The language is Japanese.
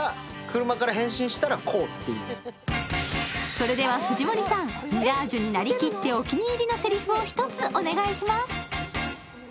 それでは藤森さん、ミラージュになりきってお気に入りのひと言、お願いします。